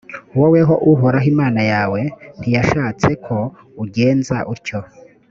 woweho uhoraho imana yawe ntiyashatse ko ugenza utyo.